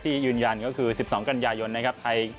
ยืนยันก็คือ๑๒กันยายนนะครับ